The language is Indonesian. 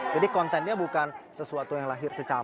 jadi kontennya bukan sesuatu yang lahir secampur